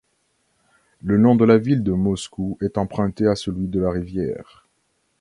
Le nom de la ville de Moscou est emprunté à celui de la rivière.